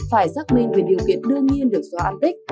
phải xác minh về điều kiện đương nhiên được xóa an tích